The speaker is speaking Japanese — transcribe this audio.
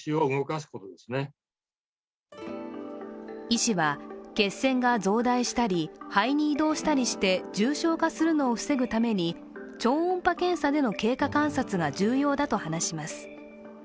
医師は血栓が増大したり、肺に移動したりして重症化するのを防ぐために、超音波検査での経過観察が重要だと話します。